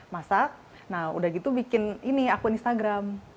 masak nah udah gitu bikin ini aku instagram